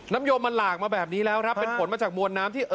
น้ำยมมันหลากมาแบบนี้แล้วครับเป็นผลมาจากมวลนามที่เอ่อ